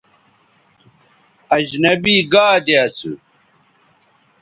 اجنبی گادے اسو